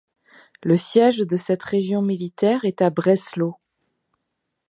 Le siège de cette région militaire est à Breslau.